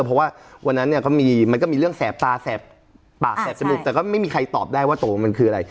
เพราะว่าวันนั้นเนี่ยก็มีมันก็มีเรื่องแสบตาแสบปากแสบจมูกแต่ก็ไม่มีใครตอบได้ว่าตกลงมันคืออะไร